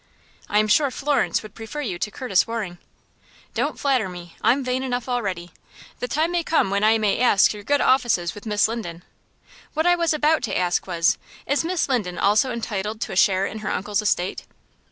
"I am sure Florence would prefer you to Curtis Waring." "Don't flatter me. I am vain enough already. The time may come when I may ask your good offices with Miss Linden. What I was about to ask was: Is Miss Linden also entitled to a share in her uncle's estate?"